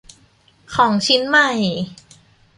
ของชิ้นใหม่